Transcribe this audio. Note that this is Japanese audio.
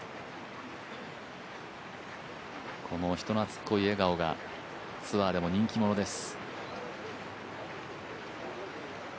この人懐っこい笑顔がツアーでも人気者です。